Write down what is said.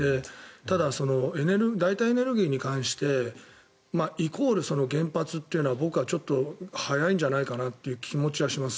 ただ、代替エネルギーに関してイコール原発というのは僕はちょっと早いんじゃないのかなという気持ちはします。